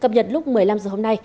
cập nhật lúc một mươi năm h hôm nay